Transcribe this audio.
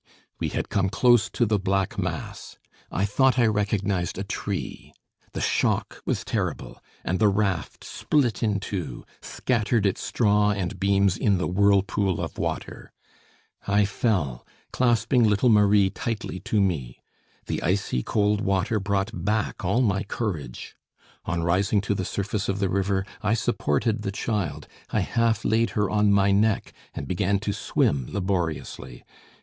We had come close to the black mass. I thought I recognised a tree. The shock was terrible, and the raft, split in two, scattered its straw and beams in the whirlpool of water. I fell, clasping little Marie tightly to me. The icy cold water brought back all my courage. On rising to the surface of the river, I supported the child, I half laid her on my neck and began to swim laboriously.